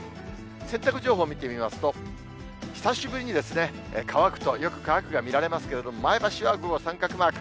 洗濯情報見てみますと、久しぶりに乾くとよく乾くが見られますけれども、前橋は午後、三角マーク。